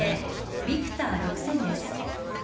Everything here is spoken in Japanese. ビクター６０００です。